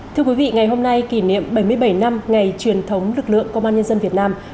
thưa quý vị ngày hôm nay kỷ niệm bảy mươi bảy năm ngày truyền thống lực lượng công an nhân dân việt nam